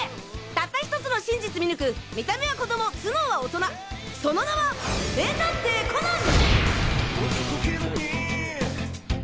たった１つの真実見抜く見た目は子供頭脳は大人その名は名探偵コナン！